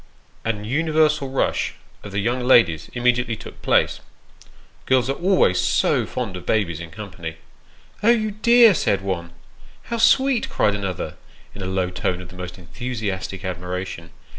A universal rush of the young ladies immediately took place. (Girls are always so fond of babies in company.) " Oh, you dear !" said one. " How sweet !" cried another, in a low tone of the most enthusiastic admiration.